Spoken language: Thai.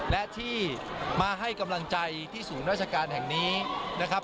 และที่มาให้กำลังใจที่ศูนย์ราชการแห่งนี้นะครับ